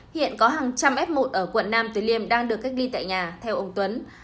hiện có hàng trăm f một ở quận nam từ liêm đang được cách ly tại nhà theo ông tuấn